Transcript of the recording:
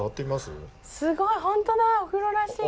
すごいほんとだお風呂らしい。